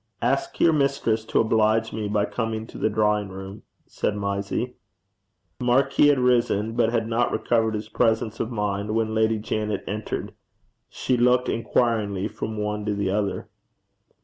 'Ask your mistress to oblige me by coming to the drawing room,' said Mysie. The marquis had risen, but had not recovered his presence of mind when Lady Janet entered. She looked inquiringly from one to the other.